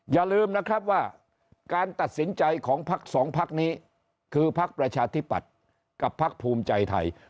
อย่าลืมนะครับว่าการตัดสินใจของพักสองพักนี้คือพักประชาธิปัตย์กับพักภูมิใจไทย